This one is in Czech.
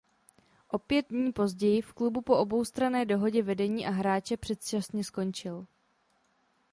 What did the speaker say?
O pět dní později v klubu po oboustranné dohodě vedení a hráče předčasně skončil.